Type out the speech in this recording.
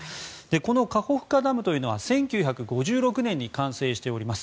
このカホフカダムというのは１９５６年に完成しております。